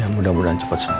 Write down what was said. iya mudah mudahan cepat sembuh